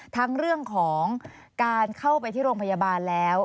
ทั้งเรื่องของการเข้าไปที่โรงพยาบาลแล้ว